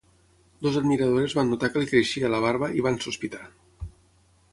Dues admiradores van notar que li creixia la barba i van sospitar.